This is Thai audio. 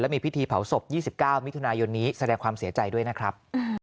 มีพิธีเผาศพ๒๙มิถุนายนนี้แสดงความเสียใจด้วยนะครับ